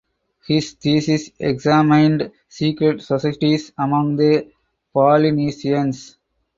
His thesis examined secret societies among the Polynesians.